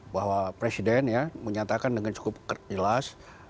bahwa presiden ya menyatakan dengan cukup jelas